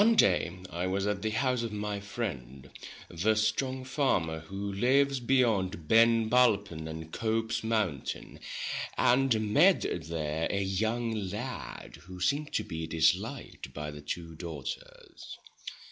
One day I was at the house of my friend the strong farmer, who lives beyond Ben Bulben and Cope's mountain, and met there a young lad who seemed to be dis liked by the two daughters.